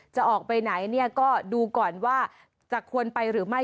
จะออกไปไหนเนี่ยก็ดูก่อนว่าจะควรไปหรือไม่